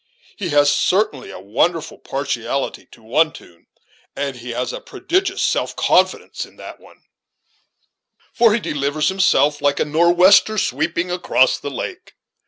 He has, certainly, a wonderful partiality to one tune, and he has a prodigious self confidence in that one, for he delivers himself like a northwester sweeping across the lake.